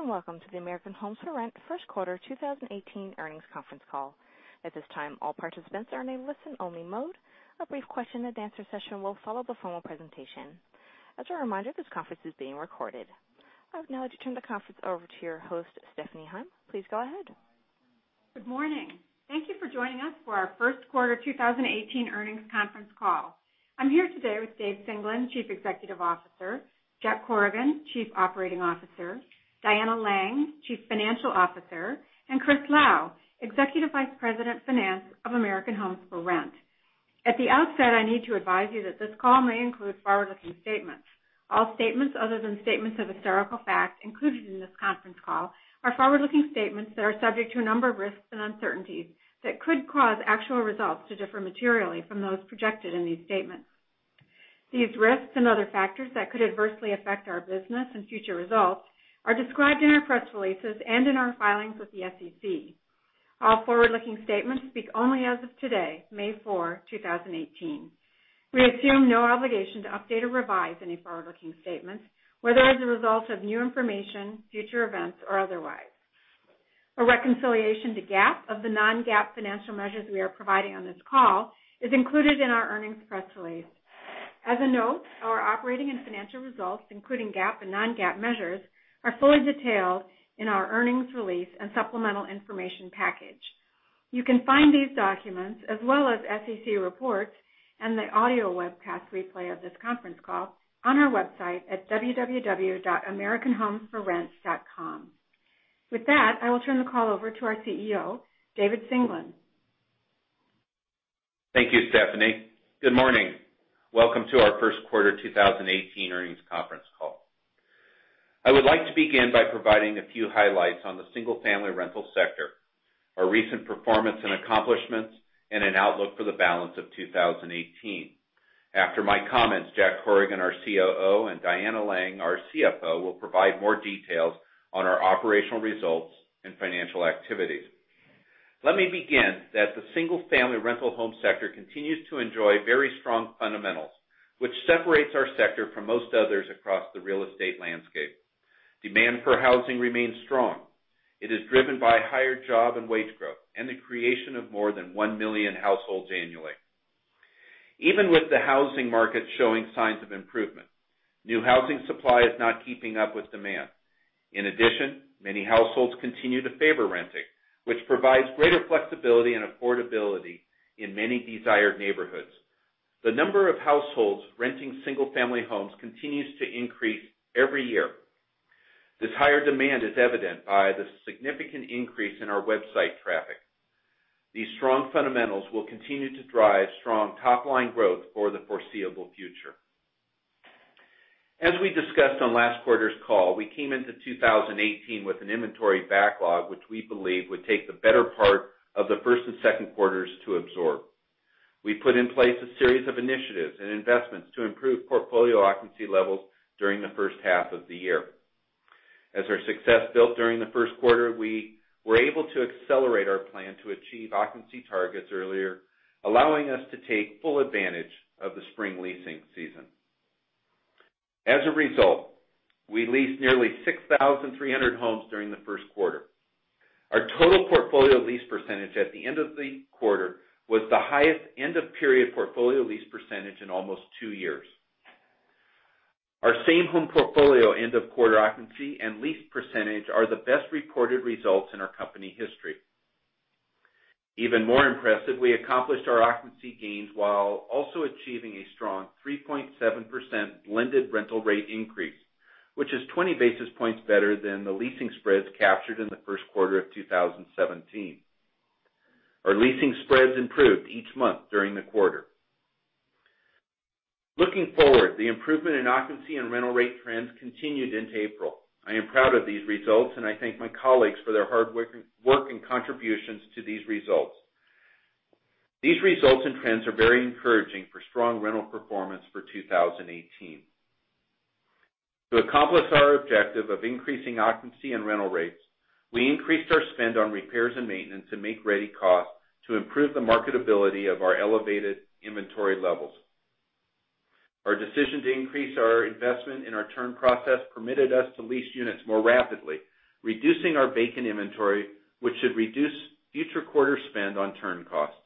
Greetings. Welcome to the American Homes 4 Rent first quarter 2018 earnings conference call. At this time, all participants are in a listen-only mode. A brief question and answer session will follow the formal presentation. As a reminder, this conference is being recorded. I would now like to turn the conference over to your host, Stephanie Hyme. Please go ahead. Good morning. Thank you for joining us for our first quarter 2018 earnings conference call. I am here today with David Singelyn, Chief Executive Officer, Jack Corrigan, Chief Operating Officer, Diana Laing, Chief Financial Officer, and Christopher Lau, Executive Vice President Finance of American Homes 4 Rent. At the outset, I need to advise you that this call may include forward-looking statements. All statements other than statements of historical fact included in this conference call are forward-looking statements that are subject to a number of risks and uncertainties that could cause actual results to differ materially from those projected in these statements. These risks and other factors that could adversely affect our business and future results are described in our press releases and in our filings with the SEC. All forward-looking statements speak only as of today, May 4, 2018. We assume no obligation to update or revise any forward-looking statements, whether as a result of new information, future events, or otherwise. A reconciliation to GAAP of the non-GAAP financial measures we are providing on this call is included in our earnings press release. As a note, our operating and financial results, including GAAP and non-GAAP measures, are fully detailed in our earnings release and supplemental information package. You can find these documents, as well as SEC reports and the audio webcast replay of this conference call on our website at www.americanhomes4rent.com. With that, I will turn the call over to our CEO, David Singelyn. Thank you, Stephanie. Good morning. Welcome to our first quarter 2018 earnings conference call. I would like to begin by providing a few highlights on the single-family rental sector, our recent performance and accomplishments, and an outlook for the balance of 2018. After my comments, Jack Corrigan, our COO, and Diana Laing, our CFO, will provide more details on our operational results and financial activities. Let me begin that the single-family rental home sector continues to enjoy very strong fundamentals, which separates our sector from most others across the real estate landscape. Demand for housing remains strong. It is driven by higher job and wage growth and the creation of more than one million households annually. Even with the housing market showing signs of improvement, new housing supply is not keeping up with demand. In addition, many households continue to favor renting, which provides greater flexibility and affordability in many desired neighborhoods. The number of households renting single-family homes continues to increase every year. This higher demand is evident by the significant increase in our website traffic. These strong fundamentals will continue to drive strong top-line growth for the foreseeable future. As we discussed on last quarter's call, we came into 2018 with an inventory backlog, which we believe would take the better part of the first and second quarters to absorb. We put in place a series of initiatives and investments to improve portfolio occupancy levels during the first half of the year. As our success built during the first quarter, we were able to accelerate our plan to achieve occupancy targets earlier, allowing us to take full advantage of the spring leasing season. As a result, we leased nearly 6,300 homes during the first quarter. Our total portfolio lease percentage at the end of the quarter was the highest end-of-period portfolio lease percentage in almost two years. Our same home portfolio end-of-quarter occupancy and lease percentage are the best reported results in our company history. Even more impressive, we accomplished our occupancy gains while also achieving a strong 3.7% blended rental rate increase, which is 20 basis points better than the leasing spreads captured in the first quarter of 2017. Our leasing spreads improved each month during the quarter. Looking forward, the improvement in occupancy and rental rate trends continued into April. I am proud of these results, and I thank my colleagues for their hard work and contributions to these results. These results and trends are very encouraging for strong rental performance for 2018. To accomplish our objective of increasing occupancy and rental rates, we increased our spend on repairs and maintenance and make-ready costs to improve the marketability of our elevated inventory levels. Our decision to increase our investment in our turn process permitted us to lease units more rapidly, reducing our vacant inventory, which should reduce future quarter spend on turn costs.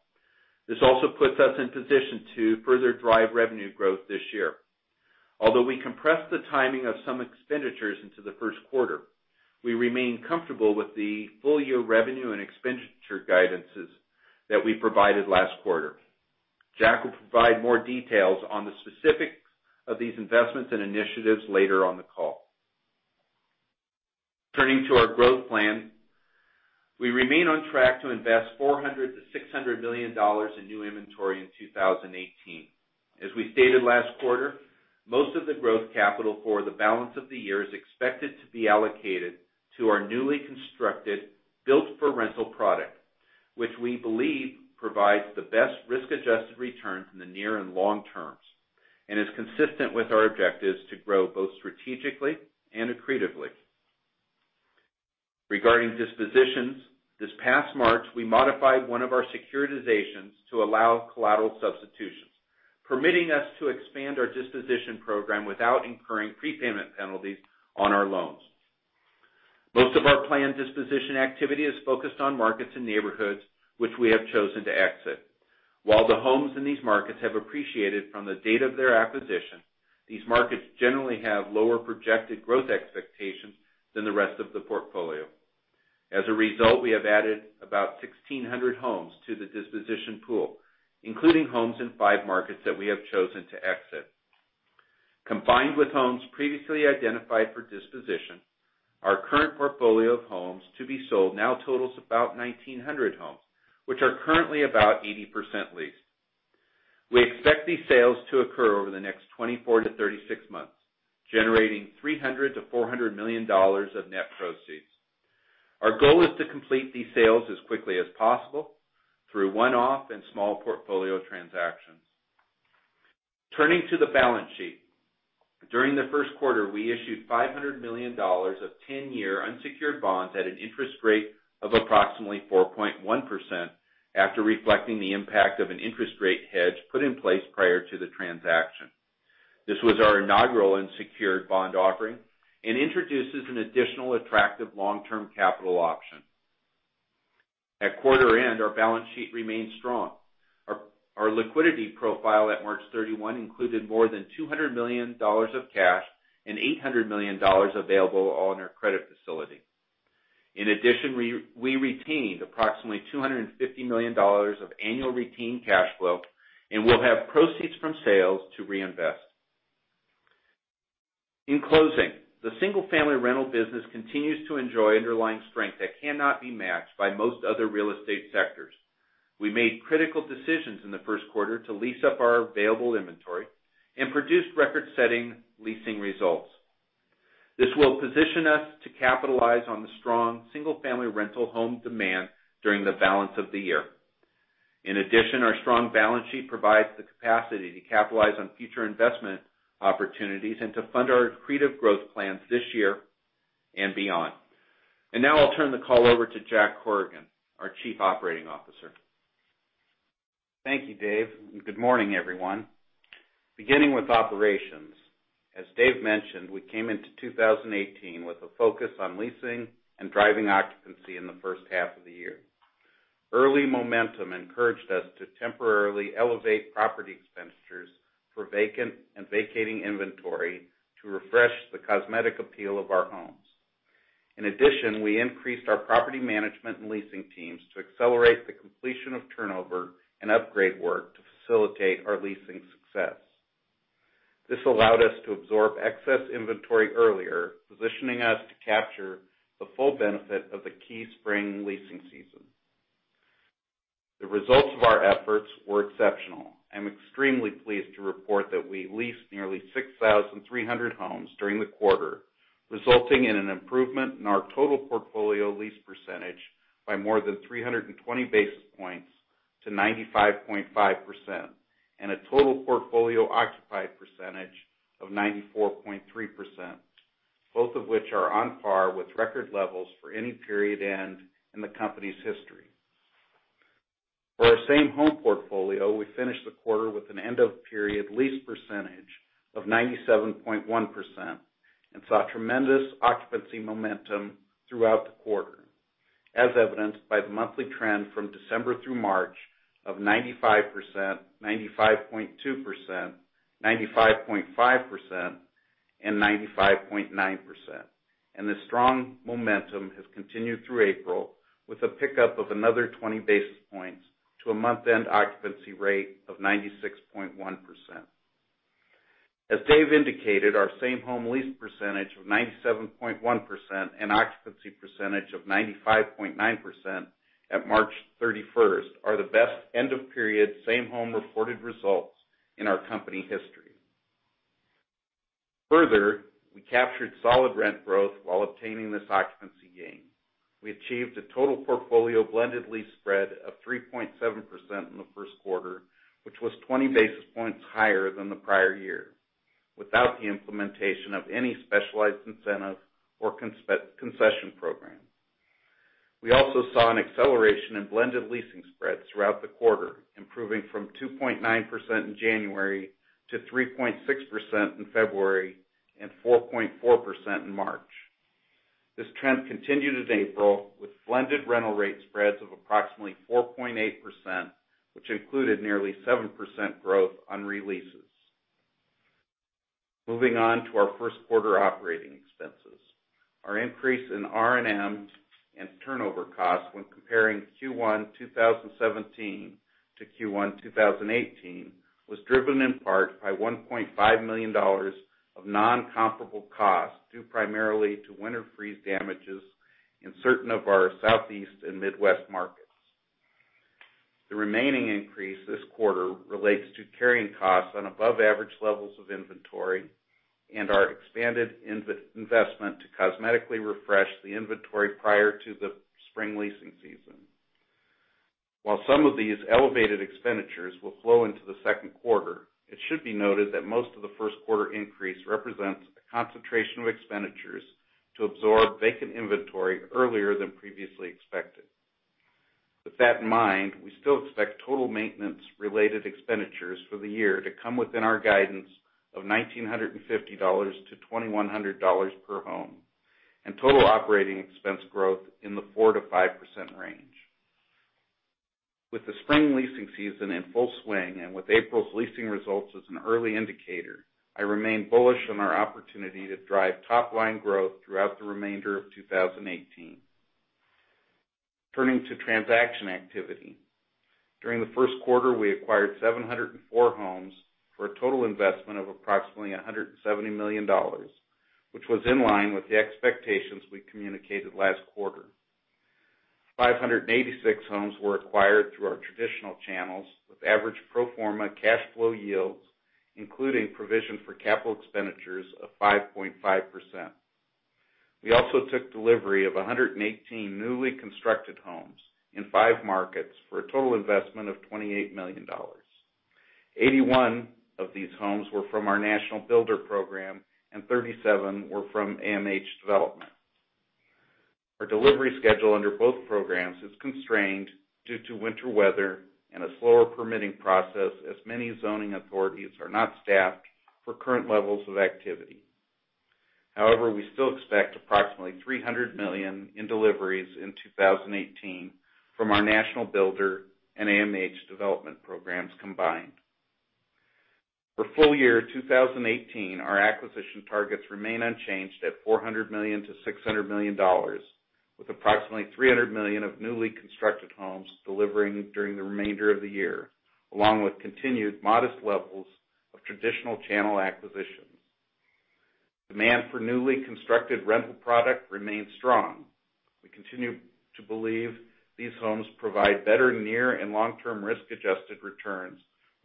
This also puts us in position to further drive revenue growth this year. Although we compressed the timing of some expenditures into the first quarter, we remain comfortable with the full-year revenue and expenditure guidances that we provided last quarter. Jack will provide more details on the specifics of these investments and initiatives later on the call. Turning to our growth plan, we remain on track to invest $400 million-$600 million in new inventory in 2018. As we stated last quarter, most of the growth capital for the balance of the year is expected to be allocated to our newly constructed build-to-rent product, which we believe provides the best risk-adjusted return in the near and long terms and is consistent with our objectives to grow both strategically and accretively. Regarding dispositions, this past March, we modified one of our securitizations to allow collateral substitutions, permitting us to expand our disposition program without incurring prepayment penalties on our loans. Most of our planned disposition activity is focused on markets and neighborhoods which we have chosen to exit. While the homes in these markets have appreciated from the date of their acquisition, these markets generally have lower projected growth expectations than the rest of the portfolio. As a result, we have added about 1,600 homes to the disposition pool, including homes in five markets that we have chosen to exit. Combined with homes previously identified for disposition, our current portfolio of homes to be sold now totals about 1,900 homes, which are currently about 80% leased. We expect these sales to occur over the next 24 to 36 months, generating $300 million to $400 million of net proceeds. Our goal is to complete these sales as quickly as possible through one-off and small portfolio transactions. Turning to the balance sheet. During the first quarter, we issued $500 million of 10-year unsecured bonds at an interest rate of approximately 4.1% after reflecting the impact of an interest rate hedge put in place prior to the transaction. This was our inaugural unsecured bond offering and introduces an additional attractive long-term capital option. At quarter end, our balance sheet remained strong. Our liquidity profile at March 31 included more than $200 million of cash and $800 million available on our credit facility. In addition, we retained approximately $250 million of annual retained cash flow and will have proceeds from sales to reinvest. In closing, the single-family rental business continues to enjoy underlying strength that cannot be matched by most other real estate sectors. We made critical decisions in the first quarter to lease up our available inventory and produced record-setting leasing results. This will position us to capitalize on the strong single-family rental home demand during the balance of the year. In addition, our strong balance sheet provides the capacity to capitalize on future investment opportunities and to fund our accretive growth plans this year and beyond. Now I'll turn the call over to Jack Corrigan, our Chief Operating Officer. Thank you, Dave, and good morning, everyone. Beginning with operations. As Dave mentioned, we came into 2018 with a focus on leasing and driving occupancy in the first half of the year. Early momentum encouraged us to temporarily elevate property expenditures for vacant and vacating inventory to refresh the cosmetic appeal of our homes. In addition, we increased our property management and leasing teams to accelerate the completion of turnover and upgrade work to facilitate our leasing success. This allowed us to absorb excess inventory earlier, positioning us to capture the full benefit of the key spring leasing season. The results of our efforts were exceptional. I'm extremely pleased to report that we leased nearly 6,300 homes during the quarter, resulting in an improvement in our total portfolio lease percentage by more than 320 basis points to 95.5%, and a total portfolio occupied percentage of 94.3%, both of which are on par with record levels for any period and in the company's history. For our same-home portfolio, we finished the quarter with an end-of-period lease percentage of 97.1% and saw tremendous occupancy momentum throughout the quarter, as evidenced by the monthly trend from December through March of 95%, 95.2%, 95.5%, and 95.9%. The strong momentum has continued through April with a pickup of another 20 basis points to a month-end occupancy rate of 96.1%. As Dave indicated, our same-home lease percentage of 97.1% and occupancy percentage of 95.9% at March 31st are the best end-of-period same-home reported results in our company history. Further, we captured solid rent growth while obtaining this occupancy gain. We achieved a total portfolio blended lease spread of 3.7% in the first quarter, which was 20 basis points higher than the prior year without the implementation of any specialized incentive or concession program. We also saw an acceleration in blended leasing spreads throughout the quarter, improving from 2.9% in January to 3.6% in February and 4.4% in March. This trend continued into April with blended rental rate spreads of approximately 4.8%, which included nearly 7% growth on re-leases. Moving on to our first quarter operating expenses. Our increase in R&M and turnover costs when comparing Q1 2017 to Q1 2018 was driven in part by $1.5 million of non-comparable costs, due primarily to winter freeze damages in certain of our Southeast and Midwest markets. The remaining increase this quarter relates to carrying costs on above-average levels of inventory and our expanded investment to cosmetically refresh the inventory prior to the spring leasing season. While some of these elevated expenditures will flow into the second quarter, it should be noted that most of the first quarter increase represents a concentration of expenditures to absorb vacant inventory earlier than previously expected. With that in mind, we still expect total maintenance-related expenditures for the year to come within our guidance of $1,950 to $2,100 per home, and total operating expense growth in the 4%-5% range. With the spring leasing season in full swing, and with April's leasing results as an early indicator, I remain bullish on our opportunity to drive top-line growth throughout the remainder of 2018. Turning to transaction activity. During the first quarter, we acquired 704 homes for a total investment of approximately $170 million, which was in line with the expectations we communicated last quarter. 586 homes were acquired through our traditional channels with average pro forma cash flow yields, including provision for capital expenditures of 5.5%. We also took delivery of 118 newly constructed homes in five markets for a total investment of $28 million. 81 of these homes were from our national builder program, and 37 were from AMH Development. Our delivery schedule under both programs is constrained due to winter weather and a slower permitting process, as many zoning authorities are not staffed for current levels of activity. However, we still expect approximately $300 million in deliveries in 2018 from our national builder and AMH Development programs combined. For full year 2018, our acquisition targets remain unchanged at $400 million-$600 million, with approximately $300 million of newly constructed homes delivering during the remainder of the year, along with continued modest levels of traditional channel acquisitions. Demand for newly constructed rental product remains strong. We continue to believe these homes provide better near and long-term risk-adjusted returns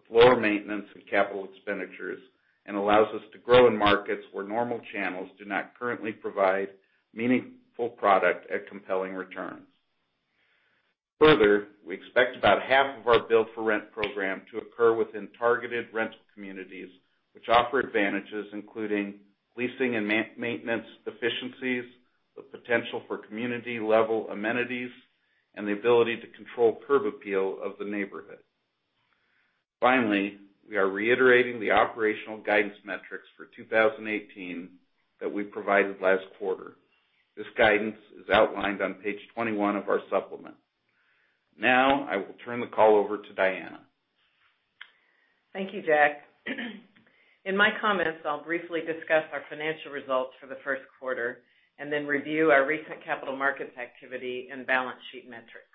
with lower maintenance and capital expenditures, and allows us to grow in markets where normal channels do not currently provide meaningful product at compelling returns. Further, we expect about half of our build-to-rent program to occur within targeted rental communities, which offer advantages including leasing and maintenance efficiencies, the potential for community-level amenities, and the ability to control curb appeal of the neighborhood. Finally, we are reiterating the operational guidance metrics for 2018 that we provided last quarter. This guidance is outlined on page 21 of our supplement. I will turn the call over to Diana. Thank you, Jack. In my comments, I'll briefly discuss our financial results for the first quarter and then review our recent capital markets activity and balance sheet metrics.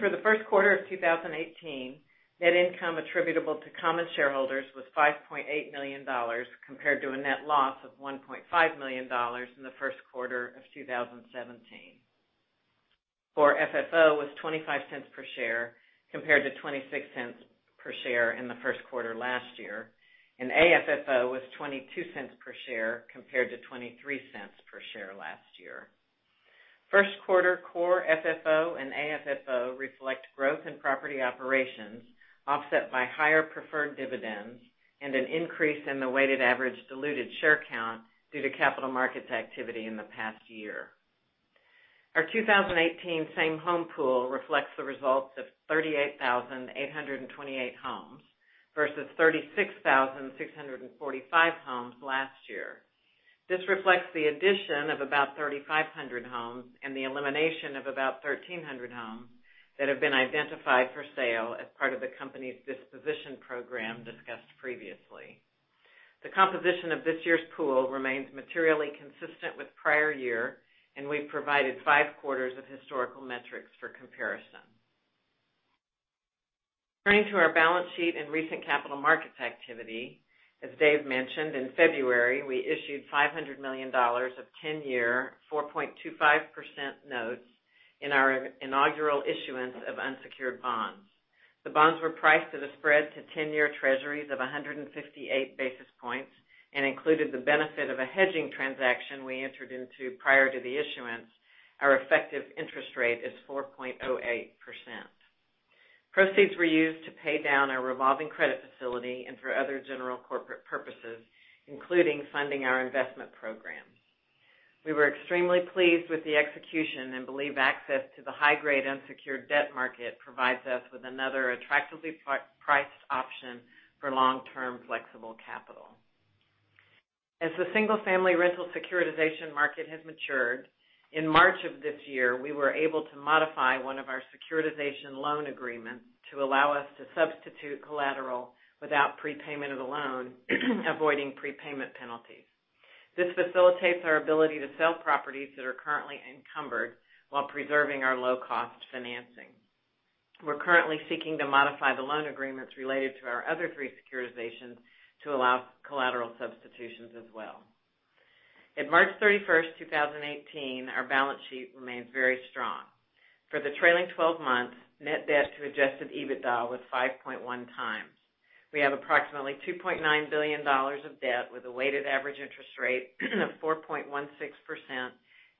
For the first quarter of 2018, net income attributable to common shareholders was $5.8 million, compared to a net loss of $1.5 million in the first quarter of 2017. Core FFO was $0.25 per share, compared to $0.26 per share in the first quarter last year. AFFO was $0.22 per share, compared to $0.23 per share last year. First quarter Core FFO and AFFO reflect growth in property operations, offset by higher preferred dividends and an increase in the weighted average diluted share count due to capital markets activity in the past year. Our 2018 same home pool reflects the results of 38,828 homes versus 36,645 homes last year. This reflects the addition of about 3,500 homes and the elimination of about 1,300 homes that have been identified for sale as part of the company's disposition program discussed previously. The composition of this year's pool remains materially consistent with prior year, and we've provided five quarters of historical metrics for comparison. Turning to our balance sheet and recent capital markets activity. As Dave mentioned, in February, we issued $500 million of 10-year 4.25% notes in our inaugural issuance of unsecured bonds. The bonds were priced at a spread to 10-year Treasuries of 158 basis points and included the benefit of a hedging transaction we entered into prior to the issuance. Our effective interest rate is 4.08%. Proceeds were used to pay down our revolving credit facility and for other general corporate purposes, including funding our investment program. We were extremely pleased with the execution and believe access to the high-grade unsecured debt market provides us with another attractively priced option for long-term flexible capital. As the single-family rental securitization market has matured, in March of this year, we were able to modify one of our securitization loan agreements to allow us to substitute collateral without prepayment of the loan, avoiding prepayment penalties. This facilitates our ability to sell properties that are currently encumbered while preserving our low-cost financing. We're currently seeking to modify the loan agreements related to our other three securitizations to allow collateral substitutions as well. At March 31st, 2018, our balance sheet remains very strong. For the trailing 12 months, net debt to adjusted EBITDA was 5.1 times. We have approximately $2.9 billion of debt with a weighted average interest rate of 4.16%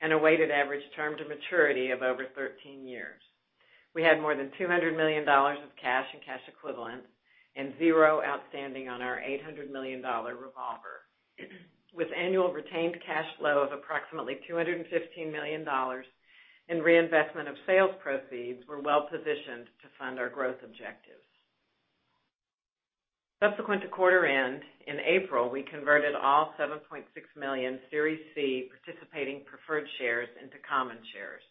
and a weighted average term to maturity of over 13 years. We had more than $200 million of cash and cash equivalents and zero outstanding on our $800 million revolver. With annual retained cash flow of approximately $215 million in reinvestment of sales proceeds, we are well-positioned to fund our growth objectives. Subsequent to quarter end, in April, we converted all 7.6 million Series C participating preferred shares into common shares.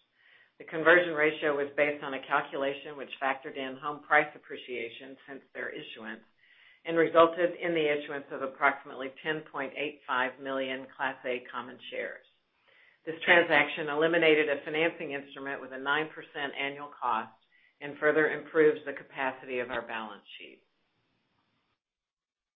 The conversion ratio was based on a calculation which factored in home price appreciation since their issuance and resulted in the issuance of approximately 10.85 million Class A common shares. This transaction eliminated a financing instrument with a 9% annual cost and further improves the capacity of our balance sheet.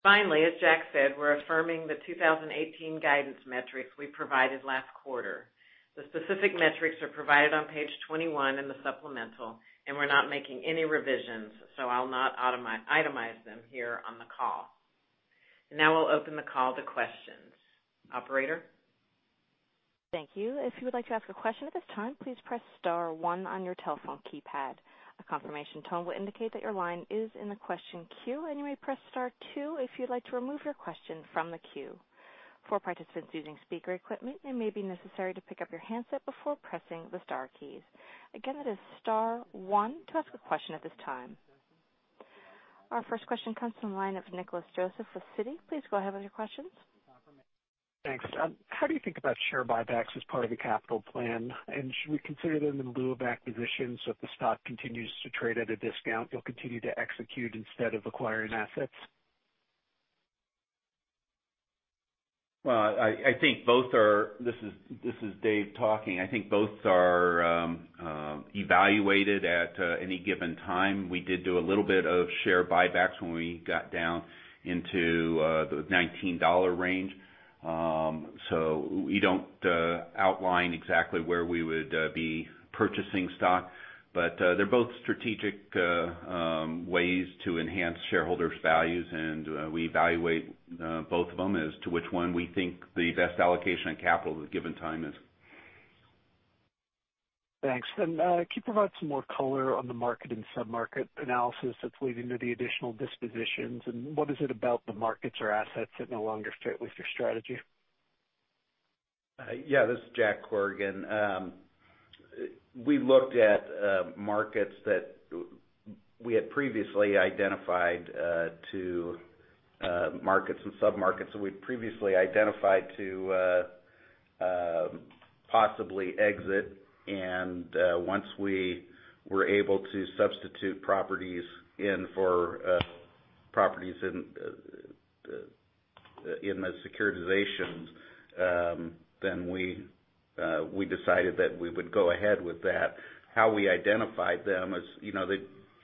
Finally, as Jack said, we are affirming the 2018 guidance metrics we provided last quarter. The specific metrics are provided on page 21 in the supplemental, and we are not making any revisions, so I will not itemize them here on the call. Now I will open the call to questions. Operator? Thank you. If you would like to ask a question at this time, please press *1 on your telephone keypad. A confirmation tone will indicate that your line is in the question queue, and you may press *2 if you would like to remove your question from the queue. For participants using speaker equipment, it may be necessary to pick up your handset before pressing the star keys. Again, it is *1 to ask a question at this time. Our first question comes from the line of Nick Joseph with Citi. Please go ahead with your questions. Thanks. How do you think about share buybacks as part of the capital plan? Should we consider them in lieu of acquisitions if the stock continues to trade at a discount, you will continue to execute instead of acquiring assets? Well, this is Dave talking. I think both are evaluated at any given time. We did do a little bit of share buybacks when we got down into the $19 range. We don't outline exactly where we would be purchasing stock. They're both strategic ways to enhance shareholders' values, and we evaluate both of them as to which one we think the best allocation of capital at a given time is. Thanks. Can you provide some more color on the market and sub-market analysis that's leading to the additional dispositions, and what is it about the markets or assets that no longer fit with your strategy? Yeah, this is Jack Corrigan. We looked at markets that we had previously identified to markets and sub-markets that we'd previously identified to possibly exit. Once we were able to substitute properties in for properties in the securitizations, we decided that we would go ahead with that. How we identified them is they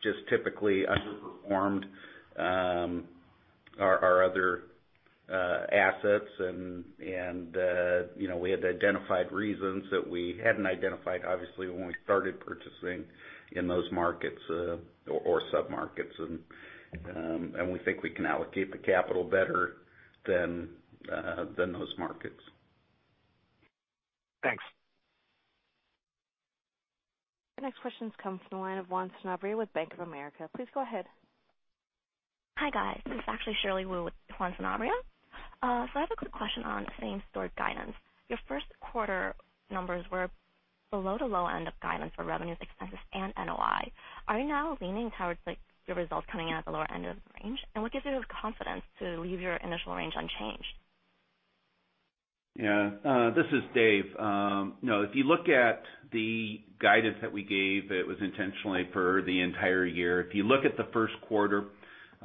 just typically underperformed our other assets, and we had identified reasons that we hadn't identified, obviously, when we started purchasing in those markets or sub-markets. We think we can allocate the capital better than those markets. Thanks. The next question comes from the line of Juan Sanabria with Bank of America. Please go ahead. Hi, guys. This is actually Shirley Wu with Juan Sanabria. I have a quick question on same-store guidance. Your first quarter numbers were below the low end of guidance for revenues, expenses, and NOI. Are you now leaning towards your results coming in at the lower end of the range? What gives you the confidence to leave your initial range unchanged? This is Dave. You look at the guidance that we gave, it was intentionally for the entire year. You look at the first quarter,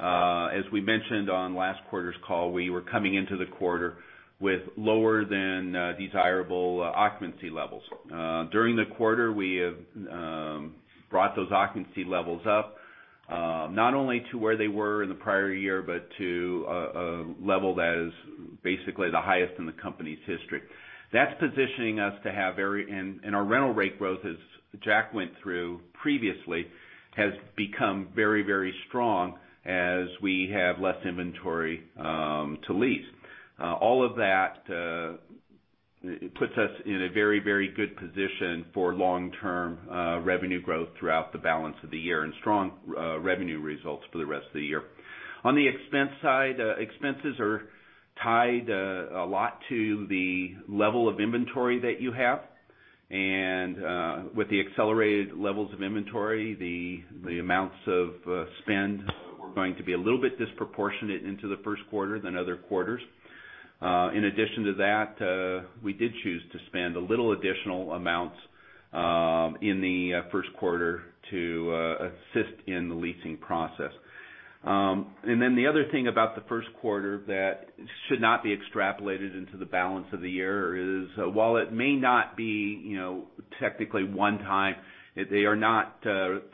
as we mentioned on last quarter's call, we were coming into the quarter with lower than desirable occupancy levels. During the quarter, we have brought those occupancy levels up, not only to where they were in the prior year, but to a level that is basically the highest in the company's history. Our rental rate growth, as Jack went through previously, has become very strong as we have less inventory to lease. That puts us in a very good position for long-term revenue growth throughout the balance of the year and strong revenue results for the rest of the year. On the expense side, expenses are tied a lot to the level of inventory that you have. With the accelerated levels of inventory, the amounts of spend were going to be a little bit disproportionate into the first quarter than other quarters. In addition to that, we did choose to spend a little additional amounts in the first quarter to assist in the leasing process. The other thing about the first quarter that should not be extrapolated into the balance of the year is, while it may not be technically one time, they are not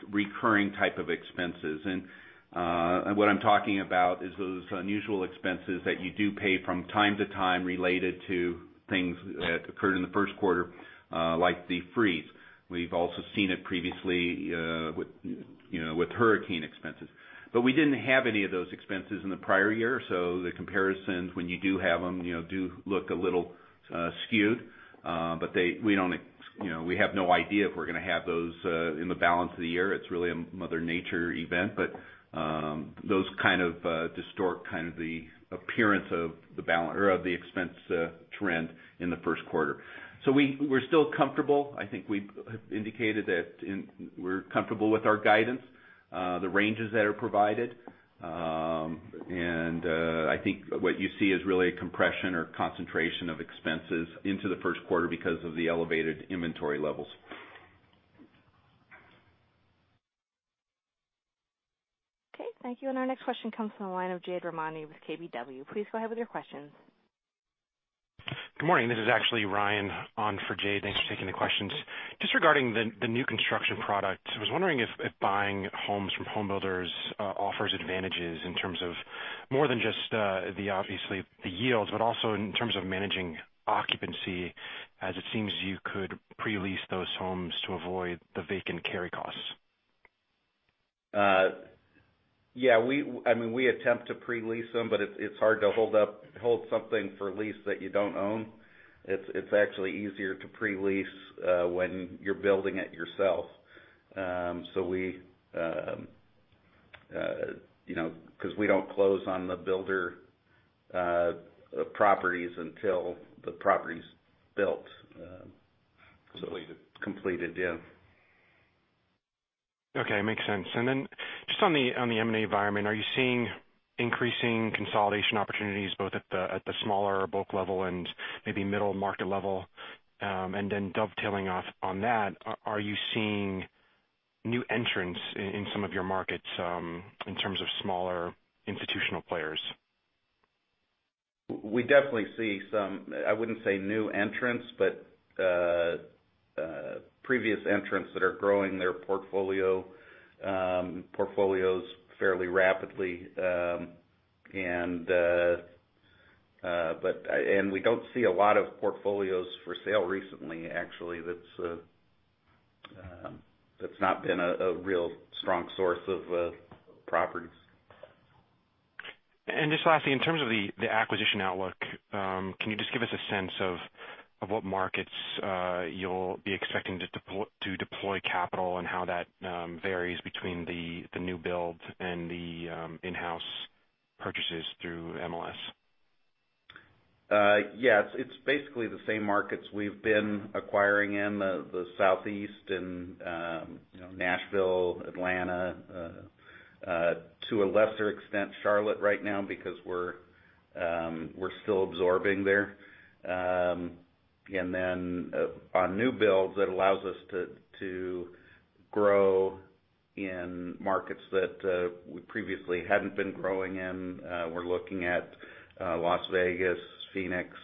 recurring type of expenses. What I'm talking about is those unusual expenses that you do pay from time to time related to things that occurred in the first quarter, like the freeze. We've also seen it previously with hurricane expenses. We didn't have any of those expenses in the prior year, so the comparisons, when you do have them, do look a little skewed. We have no idea if we're going to have those in the balance of the year. It's really a Mother Nature event. Those kind of distort the appearance of the expense trend in the first quarter. We're still comfortable. I think we indicated that we're comfortable with our guidance, the ranges that are provided. I think what you see is really a compression or concentration of expenses into the first quarter because of the elevated inventory levels. Okay, thank you. Our next question comes from the line of Jade Rahmani with KBW. Please go ahead with your questions. Good morning. This is actually Ryan on for Jay. Thanks for taking the questions. Just regarding the new construction product, I was wondering if buying homes from home builders offers advantages in terms of more than just obviously the yields, but also in terms of managing occupancy, as it seems you could pre-lease those homes to avoid the vacant carry costs. Yeah. We attempt to pre-lease them, but it's hard to hold something for lease that you don't own. It's actually easier to pre-lease when you're building it yourself, because we don't close on the builder properties until the property's built. Completed. Completed, yeah. Okay, makes sense. Just on the M&A environment, are you seeing increasing consolidation opportunities, both at the smaller bulk level and maybe middle market level? Dovetailing off on that, are you seeing new entrants in some of your markets in terms of smaller institutional players? We definitely see some, I wouldn't say new entrants, but previous entrants that are growing their portfolios fairly rapidly. We don't see a lot of portfolios for sale recently, actually. That's not been a real strong source of properties. Just lastly, in terms of the acquisition outlook, can you just give us a sense of what markets you'll be expecting to deploy capital, and how that varies between the new build and the in-house purchases through MLS? Yeah. It's basically the same markets we've been acquiring in the Southeast, in Nashville, Atlanta, to a lesser extent, Charlotte right now, because we're still absorbing there. On new builds, that allows us to grow in markets that we previously hadn't been growing in. We're looking at Las Vegas, Phoenix,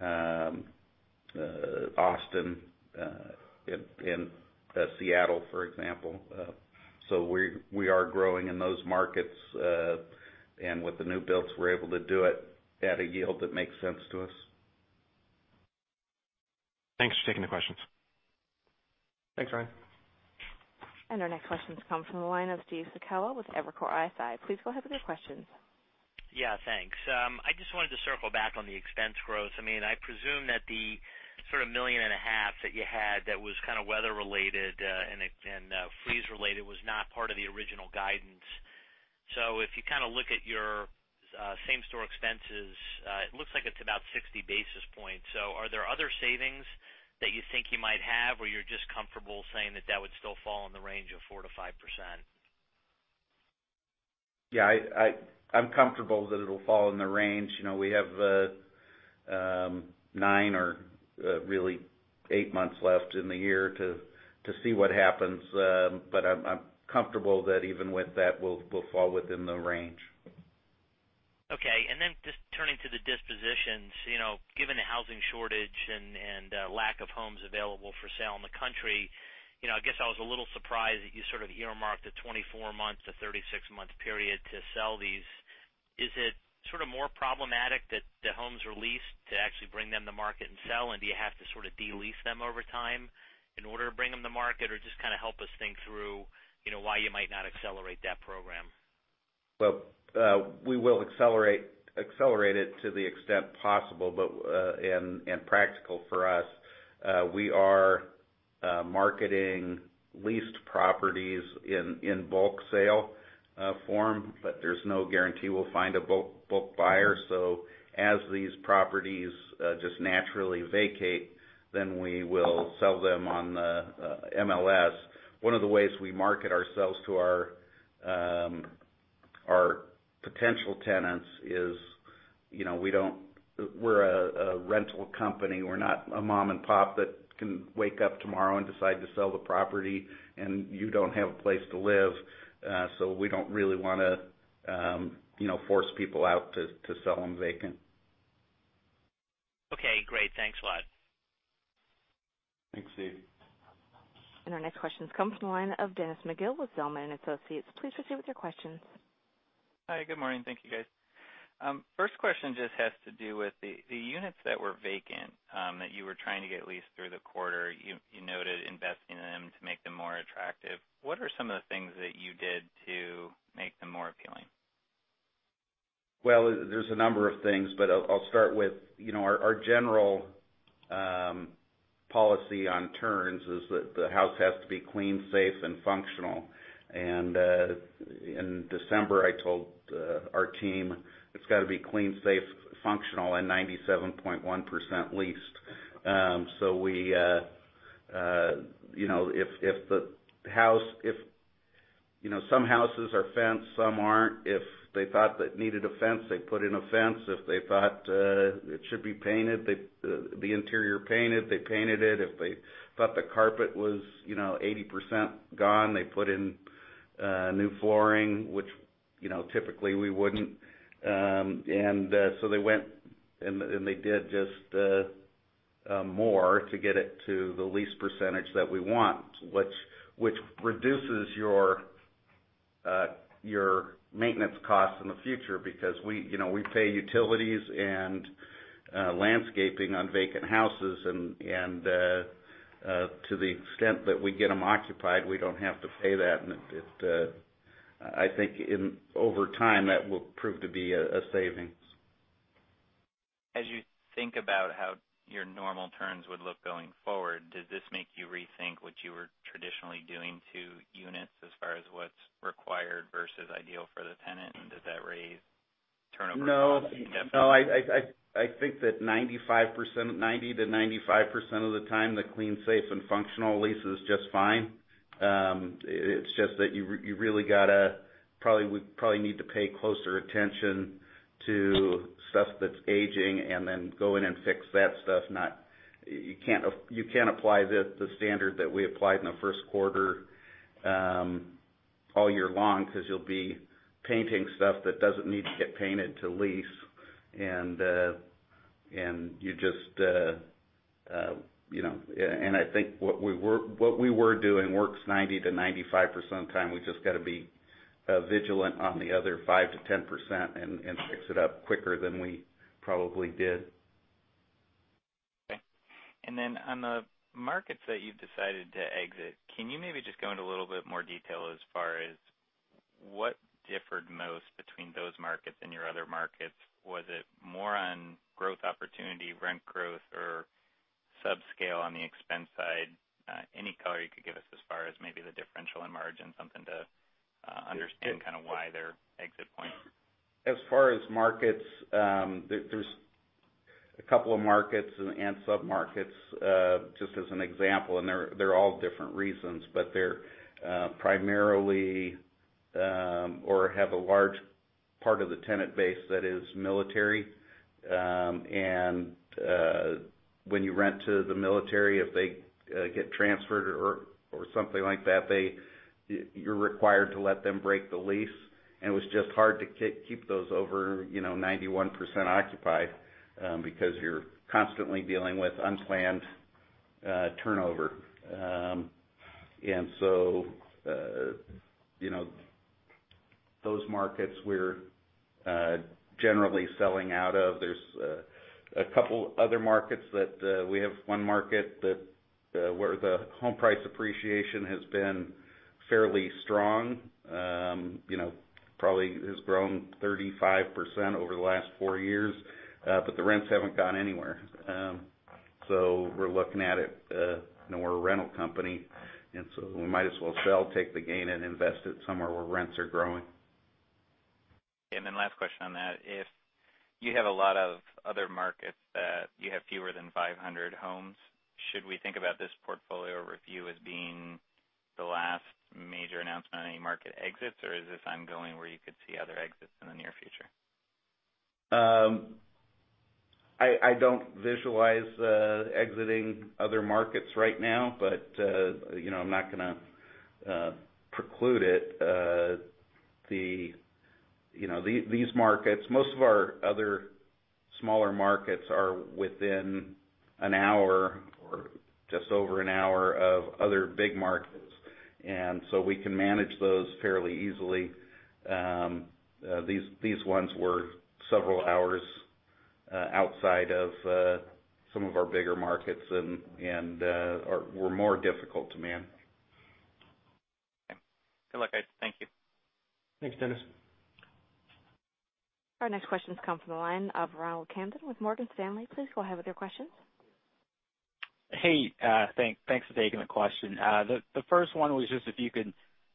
Austin, and Seattle, for example. We are growing in those markets. With the new builds, we're able to do it at a yield that makes sense to us. Thanks for taking the questions. Thanks, Ryan. Our next question comes from the line of Steve Sakwa with Evercore ISI. Please go ahead with your questions. Yeah, thanks. I just wanted to circle back on the expense growth. I presume that the sort of million and a half that you had that was kind of weather-related and freeze-related was not part of the original guidance. If you kind of look at your same-store expenses, it looks like it's about 60 basis points. Are there other savings that you think you might have, or you're just comfortable saying that that would still fall in the range of 4%-5%? Yeah, I'm comfortable that it'll fall in the range. We have nine or really eight months left in the year to see what happens. I'm comfortable that even with that, we'll fall within the range. Okay. Just turning to the dispositions. Given the housing shortage and lack of homes available for sale in the country, I guess I was a little surprised that you sort of earmarked a 24-month to 36-month period to sell these. Is it sort of more problematic that the homes are leased to actually bring them to market and sell, and do you have to sort of de-lease them over time in order to bring them to market? Just kind of help us think through why you might not accelerate that program. Well, we will accelerate it to the extent possible and practical for us. We are marketing leased properties in bulk sale form, but there's no guarantee we'll find a bulk buyer. As these properties just naturally vacate, we will sell them on the MLS. One of the ways we market ourselves to our our potential tenants is, we're a rental company. We're not a mom and pop that can wake up tomorrow and decide to sell the property, and you don't have a place to live. We don't really want to force people out to sell them vacant. Okay, great. Thanks a lot. Thanks, Steve. Our next question comes from the line of Dennis McGill with Zelman & Associates. Please proceed with your questions. Hi, good morning. Thank you, guys. First question just has to do with the units that were vacant, that you were trying to get leased through the quarter. You noted investing in them to make them more attractive. What are some of the things that you did to make them more appealing? Well, there's a number of things, but I'll start with, our general policy on turns is that the house has to be clean, safe, and functional. In December, I told our team it's got to be clean, safe, functional, and 97.1% leased. Some houses are fenced, some aren't. If they thought that it needed a fence, they put in a fence. If they thought it should be painted, the interior painted, they painted it. If they thought the carpet was 80% gone, they put in new flooring, which, typically we wouldn't. So they went and they did just more to get it to the lease percentage that we want. Which reduces your maintenance costs in the future because we pay utilities and landscaping on vacant houses, and to the extent that we get them occupied, we don't have to pay that. I think over time, that will prove to be a savings. As you think about how your normal turns would look going forward, does this make you rethink what you were traditionally doing to units as far as what's required versus ideal for the tenant, and does that raise turnover costs significantly? No. I think that 90%-95% of the time, the clean, safe, and functional lease is just fine. It's just that you really got to probably need to pay closer attention to stuff that's aging and then go in and fix that stuff. You can't apply the standard that we applied in the first quarter all year long because you'll be painting stuff that doesn't need to get painted to lease. I think what we were doing works 90%-95% of the time. We just got to be vigilant on the other 5%-10% and fix it up quicker than we probably did. Okay. On the markets that you've decided to exit, can you maybe just go into a little bit more detail as far as what differed most between those markets and your other markets? Was it more on growth opportunity, rent growth, or sub-scale on the expense side? Any color you could give us as far as maybe the differential in margin, something to understand why they're exit points. As far as markets, there's a couple of markets and sub-markets, just as an example, they're all different reasons, but they're primarily or have a large part of the tenant base that is military. When you rent to the military, if they get transferred or something like that, you're required to let them break the lease. It was just hard to keep those over 91% occupied, because you're constantly dealing with unplanned turnover. Those markets we're generally selling out of. There's a couple other markets that we have one market where the home price appreciation has been fairly strong. Probably has grown 35% over the last 4 years. The rents haven't gone anywhere. We're looking at it, we're a rental company, we might as well sell, take the gain, and invest it somewhere where rents are growing. Last question on that. If you have a lot of other markets that you have fewer than 500 homes, should we think about this portfolio review as being the last major announcement on any market exits? Or is this ongoing where you could see other exits in the near future? I don't visualize exiting other markets right now, but I'm not going to preclude it. These markets, most of our other smaller markets are within an hour or just over an hour of other big markets. We can manage those fairly easily. These ones were several hours outside of some of our bigger markets and were more difficult to man. Okay. Good luck, guys. Thank you. Thanks, Dennis. Our next questions come from the line of Ronald Kamdem with Morgan Stanley. Please go ahead with your questions. Hey, thanks for taking the question. The first one was just if you could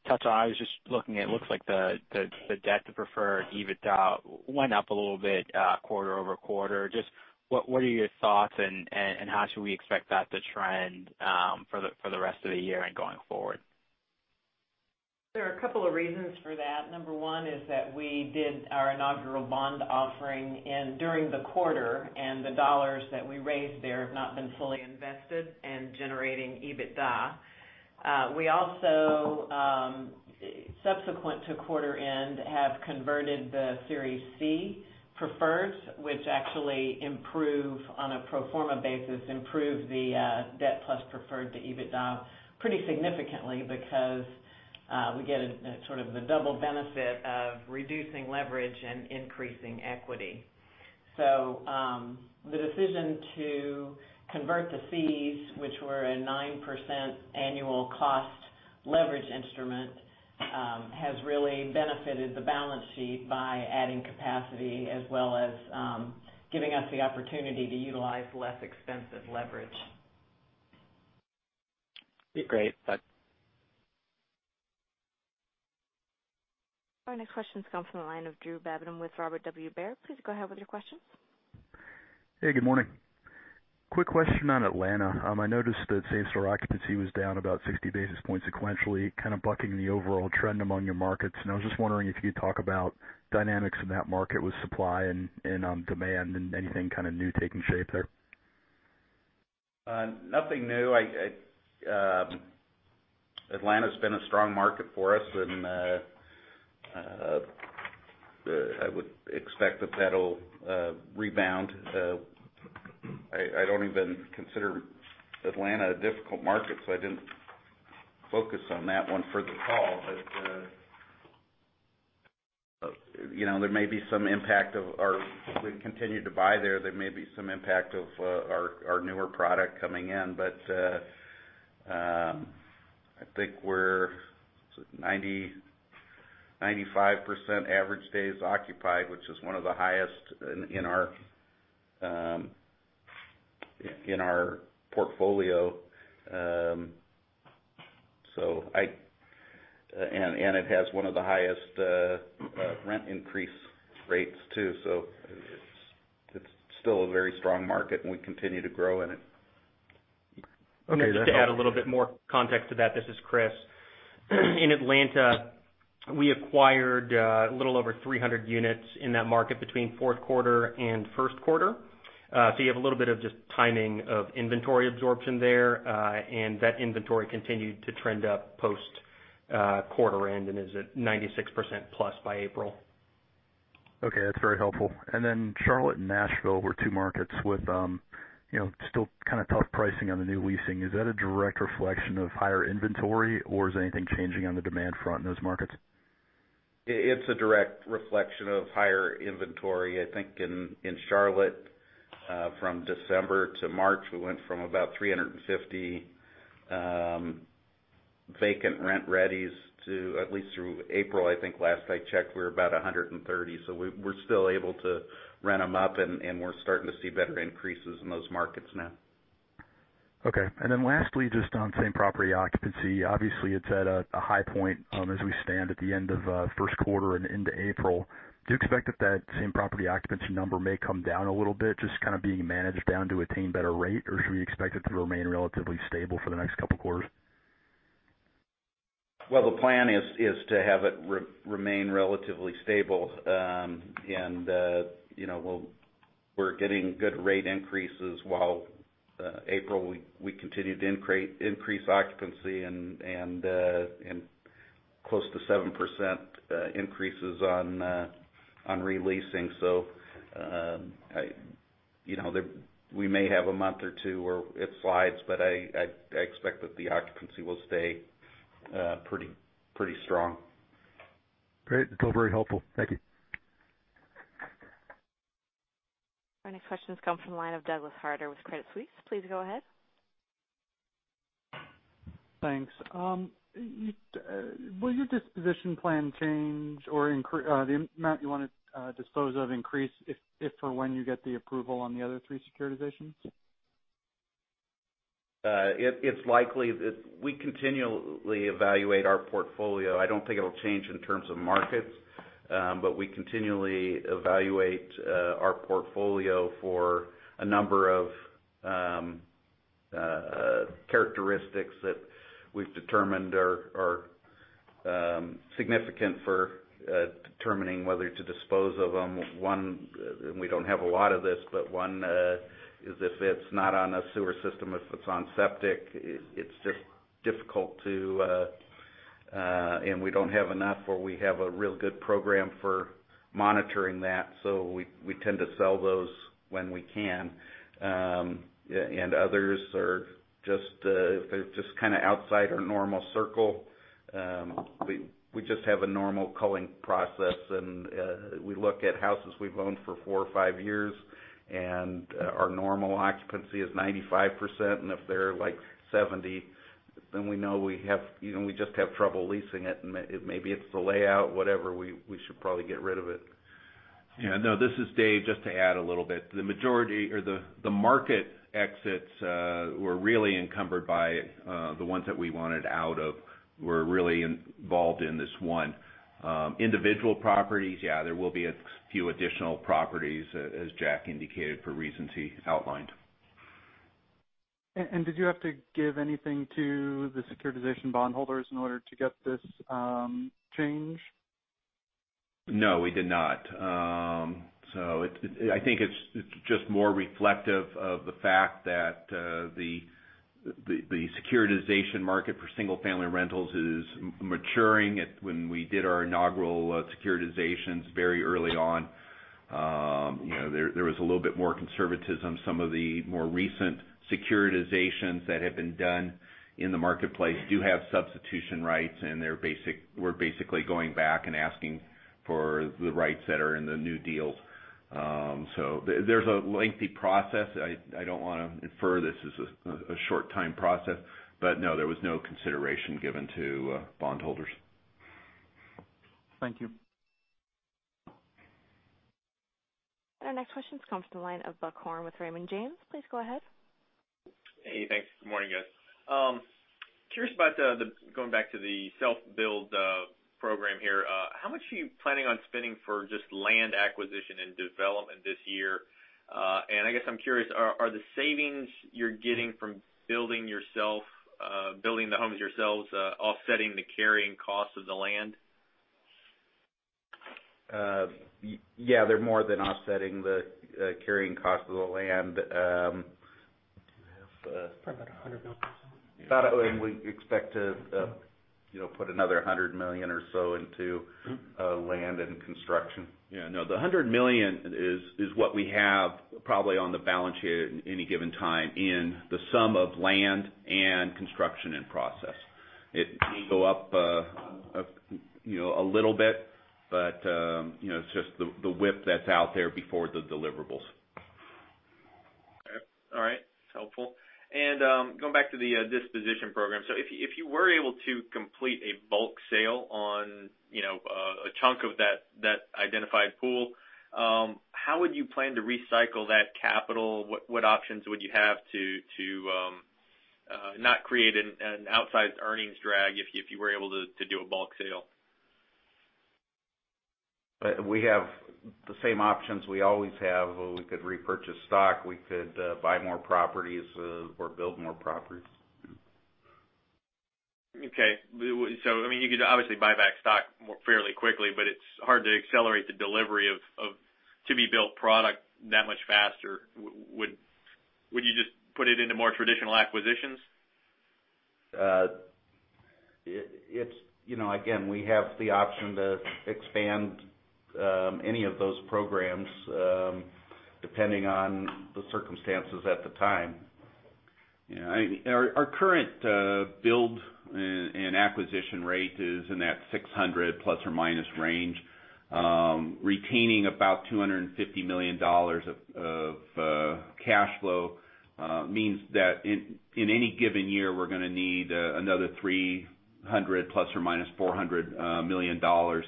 touch on, I was just looking, it looks like the debt to preferred EBITDA went up a little bit quarter-over-quarter. Just what are your thoughts and how should we expect that to trend for the rest of the year and going forward? There are a couple of reasons for that. Number one is that we did our inaugural bond offering during the quarter, and the dollars that we raised there have not been fully invested and generating EBITDA. We also, subsequent to quarter end, have converted the Series C preferreds, which actually, on a pro forma basis, improve the debt plus preferred to EBITDA pretty significantly because we get sort of the double benefit of reducing leverage and increasing equity. The decision to convert the Cs, which were a 9% annual cost leverage instrument, has really benefited the balance sheet by adding capacity as well as giving us the opportunity to utilize less expensive leverage. Great. Thanks. Our next question comes from the line of Drew Babin with Robert W. Baird. Please go ahead with your questions. Hey, good morning. Quick question on Atlanta. I noticed that same-store occupancy was down about 60 basis points sequentially, kind of bucking the overall trend among your markets. I was just wondering if you could talk about dynamics in that market with supply and demand, and anything kind of new taking shape there. Nothing new. Atlanta's been a strong market for us. I would expect that that'll rebound. I don't even consider Atlanta a difficult market. I didn't focus on that one for the call. We continue to buy there. There may be some impact of our newer product coming in, but, I think we're 95% average days occupied, which is one of the highest in our portfolio. It has one of the highest rent increase rates too. It's still a very strong market, and we continue to grow in it. Okay. Just to add a little bit more context to that, this is Chris. In Atlanta, we acquired a little over 300 units in that market between fourth quarter and first quarter. You have a little bit of just timing of inventory absorption there, and that inventory continued to trend up post quarter end and is at 96% plus by April. Okay. That's very helpful. Charlotte and Nashville were two markets with still kind of tough pricing on the new leasing. Is that a direct reflection of higher inventory, or is anything changing on the demand front in those markets? It's a direct reflection of higher inventory. I think in Charlotte, from December to March, we went from about 350 vacant rent-readies to, at least through April, I think last I checked, we were about 130. We're still able to rent them up, and we're starting to see better increases in those markets now. Okay. Lastly, just on same-property occupancy. Obviously, it's at a high point as we stand at the end of first quarter and into April. Do you expect that that same-property occupancy number may come down a little bit, just kind of being managed down to attain better rate? Or should we expect it to remain relatively stable for the next couple of quarters? The plan is to have it remain relatively stable. We're getting good rate increases, while April, we continued to increase occupancy and close to 7% increases on re-leasing. We may have a month or two where it slides, but I expect that the occupancy will stay pretty strong. Great. That's all very helpful. Thank you. Our next question comes from the line of Doug Harter with Credit Suisse. Please go ahead. Thanks. Will your disposition plan change or the amount you want to dispose of increase if or when you get the approval on the other three securitizations? It's likely that we continually evaluate our portfolio. I don't think it'll change in terms of markets, but we continually evaluate our portfolio for a number of characteristics that we've determined are significant for determining whether to dispose of them. We don't have a lot of this, but one is if it's not on a sewer system, if it's on septic, we don't have enough where we have a real good program for monitoring that. We tend to sell those when we can. Others are just kind of outside our normal circle. We just have a normal culling process, and we look at houses we've owned for four or five years, and our normal occupancy is 95%, and if they're, like, 70, then we know we just have trouble leasing it, and maybe it's the layout, whatever, we should probably get rid of it. Yeah, no, this is Dave, just to add a little bit. The market exits were really encumbered by the ones that we wanted out of, were really involved in this one. Individual properties, yeah, there will be a few additional properties, as Jack indicated, for reasons he outlined. Did you have to give anything to the securitization bondholders in order to get this change? No, we did not. I think it's just more reflective of the fact that the securitization market for single-family rentals is maturing. When we did our inaugural securitizations very early on, there was a little bit more conservatism. Some of the more recent securitizations that have been done in the marketplace do have substitution rights, and we're basically going back and asking for the rights that are in the new deals. There's a lengthy process. I don't want to infer this as a short-time process, but no, there was no consideration given to bondholders. Thank you. Our next question comes from the line of Buck Horne with Raymond James. Please go ahead. Hey, thanks. Good morning, guys. Curious about, going back to the Self-Build Program here, how much are you planning on spending for just land acquisition and development this year? I guess I'm curious, are the savings you're getting from building the homes yourselves offsetting the carrying cost of the land? Yeah, they're more than offsetting the carrying cost of the land. Probably about $100 million. We expect to put another $100 million or so into land and construction. Yeah, no, the $100 million is what we have probably on the balance sheet at any given time in the sum of land and construction in process. It may go up a little bit, but it's just the WIP that's out there before the deliverables. Okay. All right. It's helpful. Going back to the disposition program, if you were able to complete a bulk sale on a chunk of that identified pool, how would you plan to recycle that capital? What options would you have to not create an outsized earnings drag if you were able to do a bulk sale? We have the same options we always have. We could repurchase stock. We could buy more properties or build more properties. Okay. You could obviously buy back stock fairly quickly, but it's hard to accelerate the delivery of to-be-built product that much faster. Would you just put it into more traditional acquisitions? Again, we have the option to expand any of those programs, depending on the circumstances at the time. Yeah. Our current build and acquisition rate is in that 600 ± range. Retaining about $250 million of cash flow means that in any given year, we're going to need another $300 million-$400 million to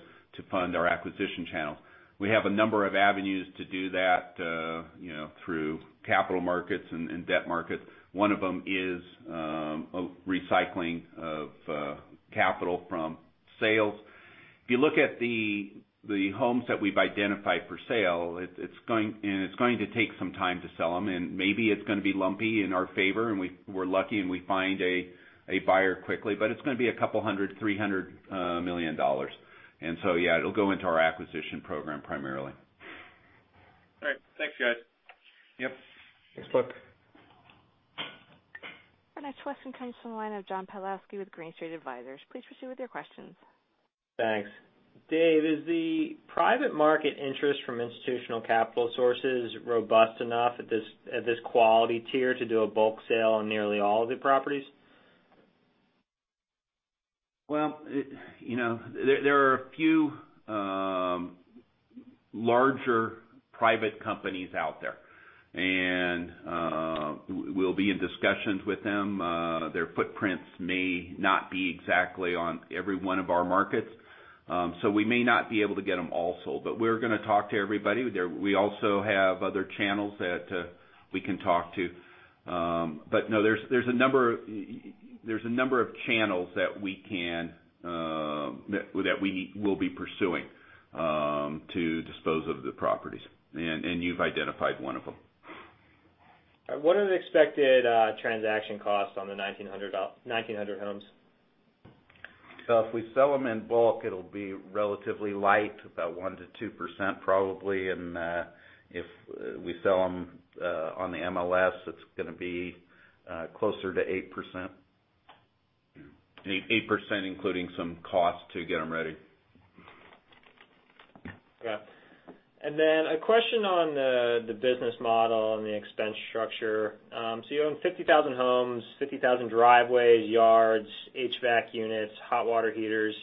fund our acquisition channels. We have a number of avenues to do that through capital markets and debt markets. One of them is recycling of capital from sales. If you look at the homes that we've identified for sale, and it's going to take some time to sell them, and maybe it's going to be lumpy in our favor, and we're lucky, and we find a buyer quickly, but it's going to be $200 million-$300 million. Yeah, it'll go into our acquisition program primarily. All right. Thanks, guys. Yep. Thanks, Buck. Our next question comes from the line of John Pawlowski with Green Street Advisors. Please proceed with your questions. Thanks. Dave, is the private market interest from institutional capital sources robust enough at this quality tier to do a bulk sale on nearly all of the properties? Well, there are a few larger private companies out there, and we'll be in discussions with them. Their footprints may not be exactly on every one of our markets. We may not be able to get them all sold, but we're going to talk to everybody. We also have other channels that we can talk to. No, there's a number of channels that we will be pursuing to dispose of the properties. You've identified one of them. All right. What are the expected transaction costs on the 1,900 homes? If we sell them in bulk, it'll be relatively light, about 1%-2%, probably, and if we sell them on the MLS, it's going to be closer to 8%. 8% including some cost to get them ready. Okay. Then a question on the business model and the expense structure. You own 50,000 homes, 50,000 driveways, yards, HVAC units, hot water heaters.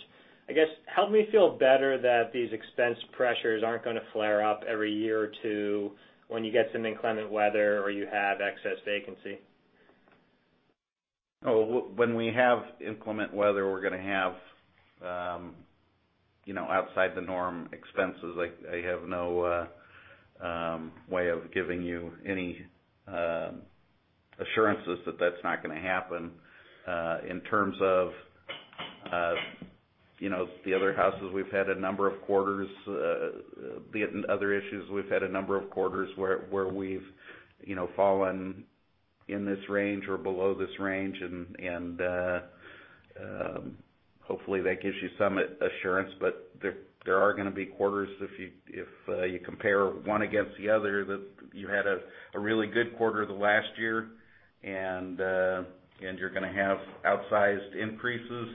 I guess, help me feel better that these expense pressures aren't going to flare up every year or two when you get some inclement weather, or you have excess vacancy. When we have inclement weather, we're going to have outside the norm expenses. I have no way of giving you any assurances that that's not going to happen. The other houses, be it in other issues, we've had a number of quarters where we've fallen in this range or below this range, and hopefully that gives you some assurance. There are going to be quarters if you compare one against the other, that you had a really good quarter the last year, and you're going to have outsized increases.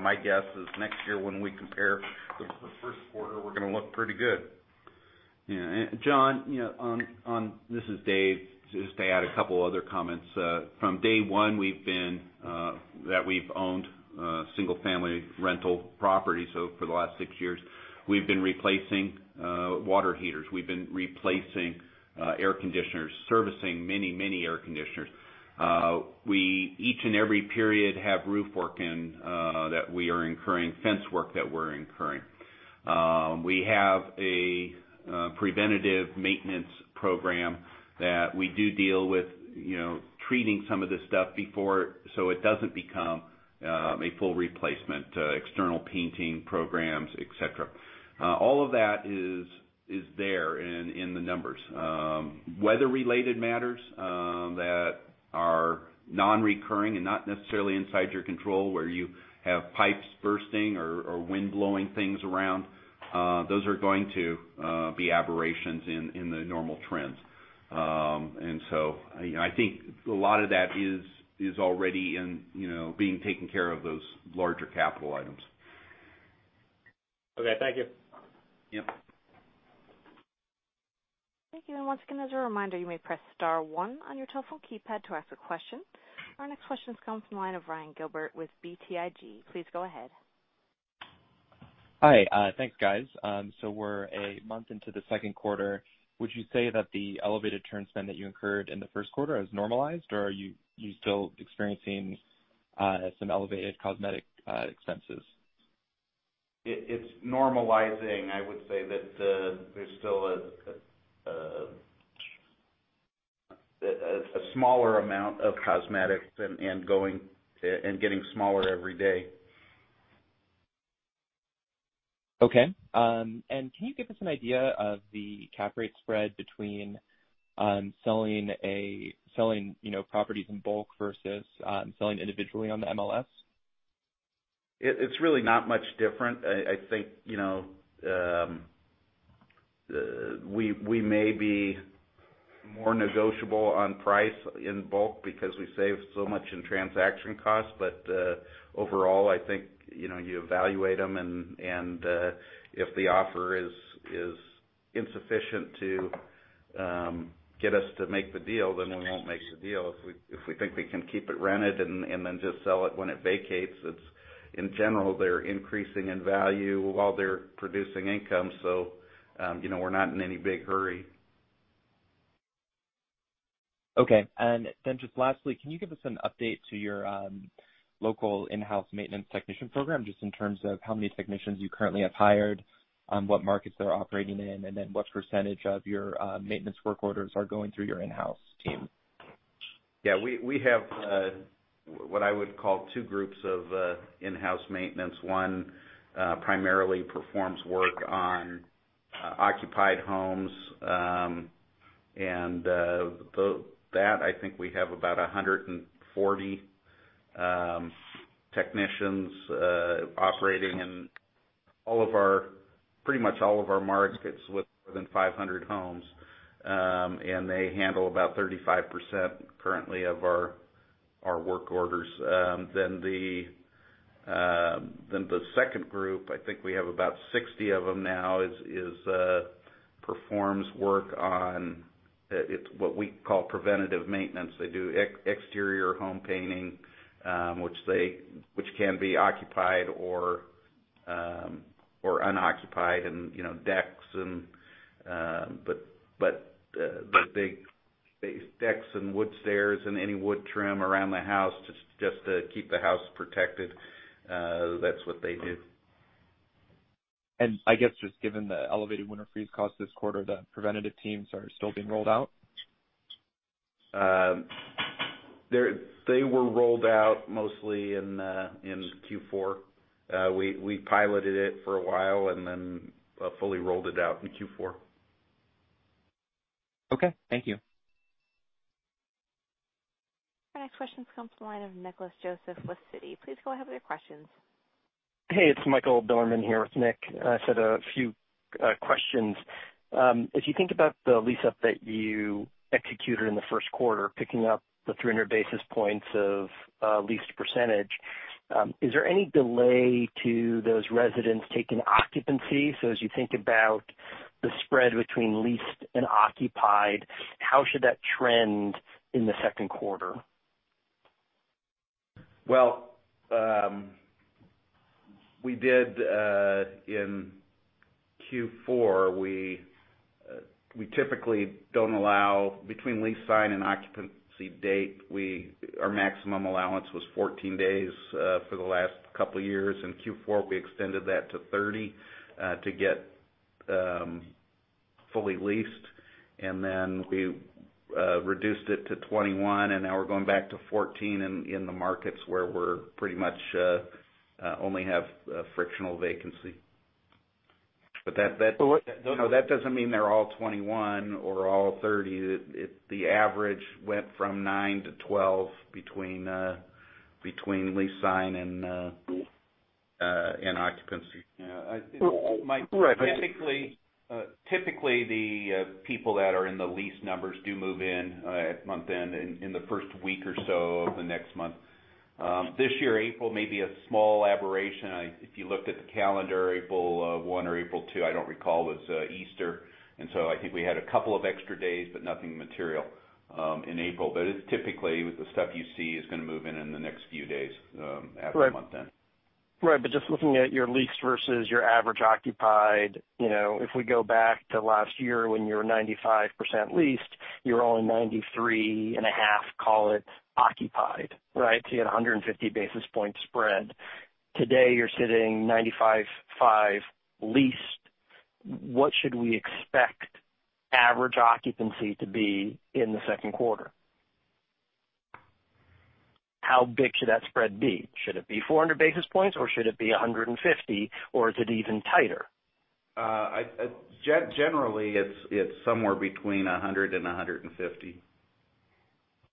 My guess is next year when we compare the first quarter, we're going to look pretty good. Yeah. John, this is Dave. Just to add a couple other comments. From day one that we've owned single-family rental homes, so for the last six years, we've been replacing water heaters. We've been replacing air conditioners, servicing many, many air conditioners. We, each and every period, have roof work that we are incurring, fence work that we're incurring. We have a preventative maintenance program that we do deal with treating some of this stuff before, so it doesn't become a full replacement. External painting programs, et cetera. All of that is there in the numbers. Weather-related matters that are non-recurring and not necessarily inside your control, where you have pipes bursting or wind blowing things around, those are going to be aberrations in the normal trends. I think a lot of that is already in being taken care of those larger capital items. Okay. Thank you. Yep. Thank you. Once again, as a reminder, you may press star one on your telephone keypad to ask a question. Our next question comes from the line of Ryan Gilbert with BTIG. Please go ahead. Hi. Thanks, guys. We're a month into the second quarter. Would you say that the elevated turn spend that you incurred in the first quarter has normalized, or are you still experiencing some elevated cosmetic expenses? It's normalizing. I would say that there's still a smaller amount of cosmetics and getting smaller every day. Okay. Can you give us an idea of the cap rate spread between selling properties in bulk versus selling individually on the MLS? It's really not much different. I think, we may be more negotiable on price in bulk because we save so much in transaction costs. Overall, I think, you evaluate them, and if the offer is insufficient to get us to make the deal, then we won't make the deal. If we think we can keep it rented and then just sell it when it vacates. In general, they're increasing in value while they're producing income. We're not in any big hurry. Okay. Then just lastly, can you give us an update to your local in-house maintenance technician program, just in terms of how many technicians you currently have hired, what markets they're operating in, and then what% of your maintenance work orders are going through your in-house team? Yeah. We have what I would call two groups of in-house maintenance. One primarily performs work on occupied homes. That, I think we have about 140 technicians operating in pretty much all of our markets with more than 500 homes. They handle about 35% currently of our work orders. The second group, I think we have about 60 of them now, performs work on what we call preventive maintenance. They do exterior home painting, which can be occupied or unoccupied, and decks. The big decks and wood stairs and any wood trim around the house, just to keep the house protected, that's what they do. I guess just given the elevated winter freeze cost this quarter, the preventive teams are still being rolled out? They were rolled out mostly in Q4. We piloted it for a while and then fully rolled it out in Q4. Okay, thank you. Our next question comes from the line of Nick Joseph with Citi. Please go ahead with your questions. Hey, it's Michael Millerman here with Nick. I just had a few questions. If you think about the lease-up that you executed in the first quarter, picking up the 300 basis points of leased %, is there any delay to those residents taking occupancy? As you think about the spread between leased and occupied, how should that trend in the second quarter? Well, in Q4, we typically don't allow between lease sign and occupancy date, our maximum allowance was 14 days for the last couple of years. In Q4, we extended that to 30, Fully leased. We reduced it to 21. Now we're going back to 14 in the markets where we pretty much only have frictional vacancy. That doesn't mean they're all 21 or all 30. The average went from nine to 12 between lease sign and occupancy. Yeah. Mike- Right. Typically, the people that are in the lease numbers do move in at month end in the first week or so of the next month. This year, April may be a small aberration. If you looked at the calendar, April 1 or April 2, I don't recall, was Easter. I think we had a couple of extra days, nothing material in April. Typically, the stuff you see is going to move in in the next few days after month end. Right. Just looking at your leased versus your average occupied, if we go back to last year when you were 95% leased, you were only 93.5%, call it, occupied. Right? You had 150 basis point spread. Today, you're sitting 95.5% leased. What should we expect average occupancy to be in the second quarter? How big should that spread be? Should it be 400 basis points, or should it be 150 basis points, or is it even tighter? Generally, it's somewhere between 100 basis points and 150 basis points.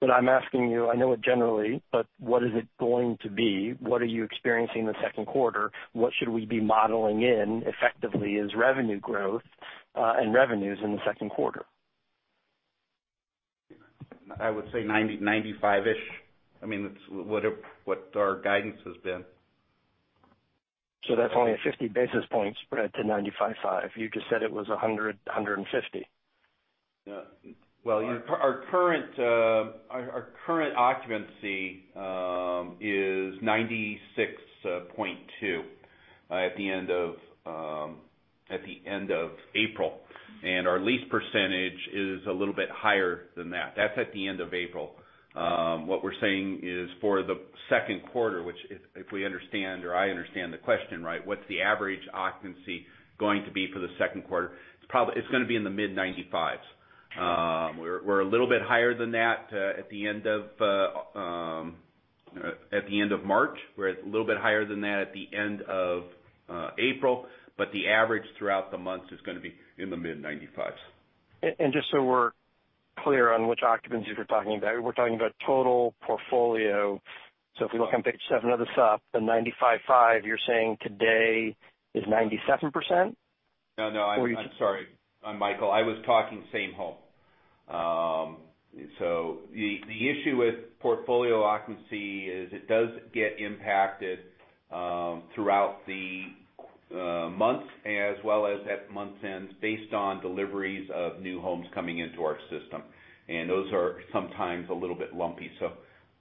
I'm asking you, I know it generally. What is it going to be? What are you experiencing in the second quarter? What should we be modeling in effectively as revenue growth and revenues in the second quarter? I would say 95%-ish. It's what our guidance has been. That's only a 50 basis point spread to 95.5. You just said it was 100, 150. Our current occupancy is 96.2% at the end of April, and our lease percentage is a little bit higher than that. That's at the end of April. What we're saying is for the second quarter, which if we understand or I understand the question right, what's the average occupancy going to be for the second quarter? It's going to be in the mid-95s. We're a little bit higher than that at the end of March. We're a little bit higher than that at the end of April. The average throughout the months is going to be in the mid-95s. Just so we're clear on which occupancy we're talking about, we're talking about total portfolio. If we look on page seven of the sup, the 95.5% you're saying today is 97%? No, I'm sorry, Michael. I was talking same home. The issue with portfolio occupancy is it does get impacted throughout the month as well as at month end based on deliveries of new homes coming into our system. Those are sometimes a little bit lumpy.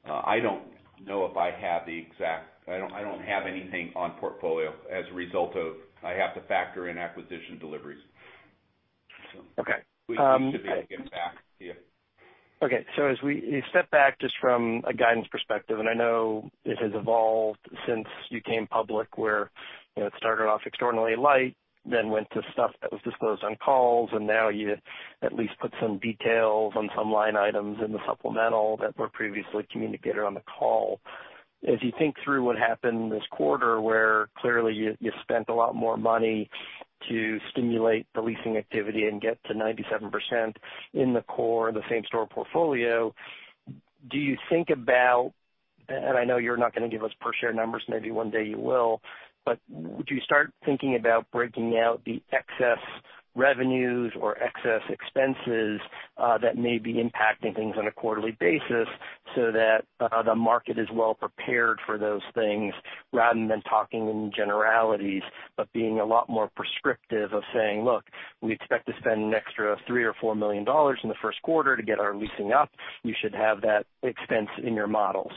I don't know if I have the exact I don't have anything on portfolio as a result of I have to factor in acquisition deliveries. Okay. We should be able to get back to you. As we step back just from a guidance perspective, I know this has evolved since you came public where it started off extraordinarily light, went to stuff that was disclosed on calls, now you at least put some details on some line items in the supplemental that were previously communicated on the call. As you think through what happened this quarter, where clearly you spent a lot more money to stimulate the leasing activity and get to 97% in the core, the same store portfolio, do you think about, I know you're not going to give us per share numbers, maybe one day you will, would you start thinking about breaking out the excess revenues or excess expenses that may be impacting things on a quarterly basis so that the market is well prepared for those things rather than talking in generalities, being a lot more prescriptive of saying, "Look, we expect to spend an extra $3 or $4 million in the first quarter to get our leasing up. You should have that expense in your models."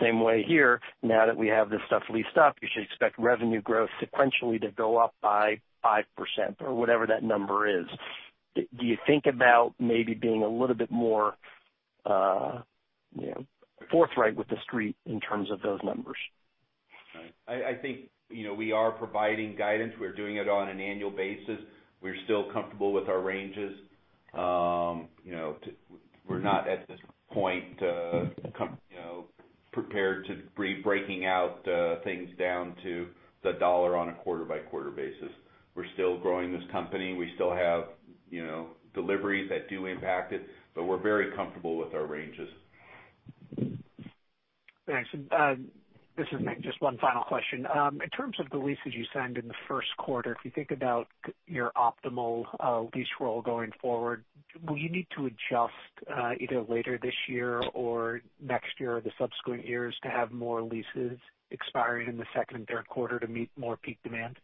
Same way here, now that we have this stuff leased up, you should expect revenue growth sequentially to go up by 5% or whatever that number is. Do you think about maybe being a little bit more forthright with the street in terms of those numbers? I think we are providing guidance. We're doing it on an annual basis. We're still comfortable with our ranges. We're not at this point prepared to breaking out things down to the dollar on a quarter-by-quarter basis. We're still growing this company. We still have deliveries that do impact it, but we're very comfortable with our ranges. Thanks. This is Mike, just one final question. In terms of the leases you signed in the first quarter, if you think about your optimal lease roll going forward, will you need to adjust either later this year or next year or the subsequent years to have more leases expiring in the second and third quarter to meet more peak demand?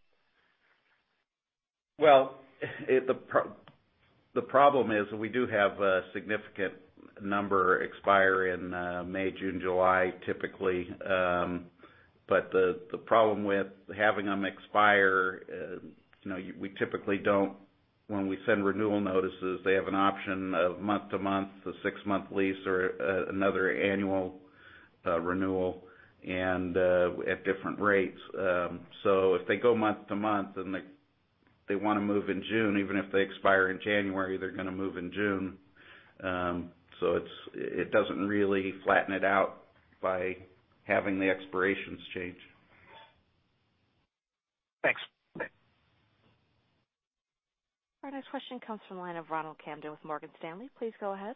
Well, the problem is we do have a significant number expire in May, June, July, typically. The problem with having them expire, we typically don't When we send renewal notices, they have an option of month to month, a six-month lease, or another annual renewal, and at different rates. If they go month to month, and they want to move in June, even if they expire in January, they're going to move in June. It doesn't really flatten it out by having the expirations change. Thanks. Our next question comes from the line of Ronald Kamdem with Morgan Stanley. Please go ahead.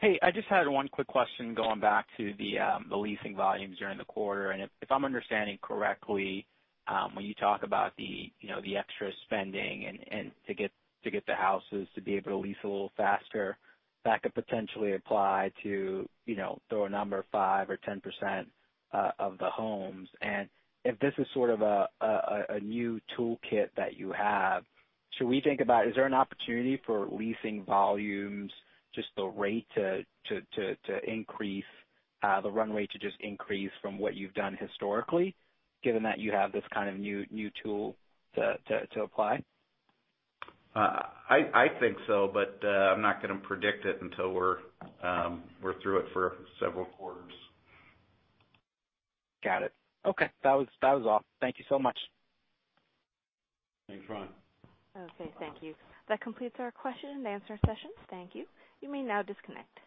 Hey, I just had one quick question going back to the leasing volumes during the quarter. If I'm understanding correctly, when you talk about the extra spending and to get the houses to be able to lease a little faster, that could potentially apply to, throw a number, 5 or 10% of the homes. If this is sort of a new toolkit that you have, should we think about, is there an opportunity for leasing volumes, just the rate to increase, the runway to just increase from what you've done historically, given that you have this kind of new tool to apply? I think so, I'm not going to predict it until we're through it for several quarters. Got it. Okay. That was all. Thank you so much. Thanks, Ron. Okay, thank you. That completes our question and answer session. Thank you. You may now disconnect.